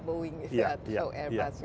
boeing atau airbus